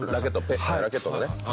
あのラケットのね。